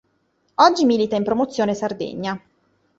Oggi milita in Promozione Sardegna.